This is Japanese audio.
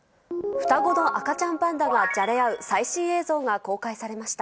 双子の赤ちゃんパンダがじゃれ合う最新映像が公開されました。